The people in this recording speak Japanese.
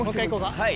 はい。